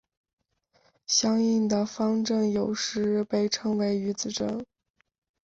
相应的方阵有时被称为余子阵。